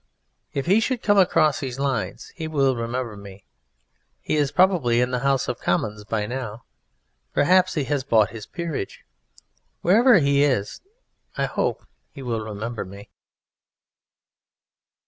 If he should come across these lines he will remember me. He is probably in the House of Commons by now. Perhaps he has bought his peerage. Wherever he is I hope he will remember me.